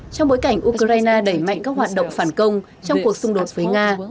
trong bối cảnh ukraine đẩy mạnh các hoạt động phản công trong cuộc xung đột với nga